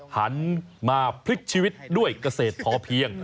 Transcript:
หันมาพลิกชีวิตด้วยเกษตรพอเพียง